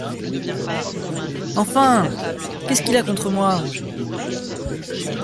Enfin, qu’est-ce qu’il a contre moi ?